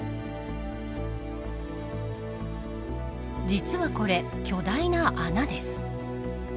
実はこれ、巨大な穴です。